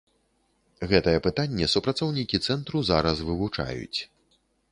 Гэтае пытанне супрацоўнікі цэнтру зараз вывучаюць.